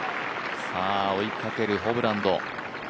追いかけるホブランド。